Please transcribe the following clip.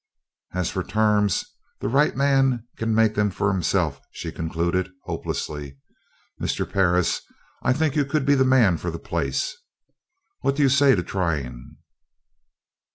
"As for terms, the right man can make them for himself," she concluded, hopelessly: "Mr. Perris, I think you could be the man for the place. What do you say to trying?"